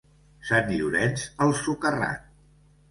Sant Llorenç, el socarrat.